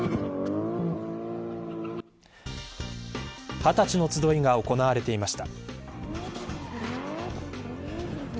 二十歳の集いが行われていました。